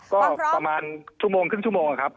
ก็ประมาณชั่วโมงครึ่งชั่วโมงครับ